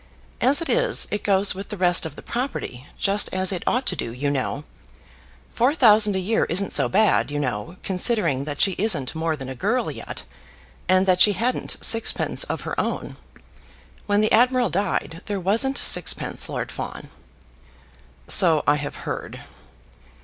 As it is, it goes with the rest of the property just as it ought to do, you know. Four thousand a year isn't so bad, you know, considering that she isn't more than a girl yet, and that she hadn't sixpence of her own. When the admiral died, there wasn't sixpence, Lord Fawn." "So I have heard."